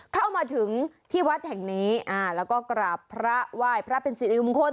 เข้ามาถึงที่วัดแห่งนี้แล้วก็กราบพระไหว้พระเป็นสิริมงคล